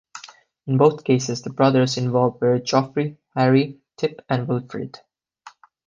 In both cases the brothers involved were Geoffrey, Harry, Tip and Wilfrid.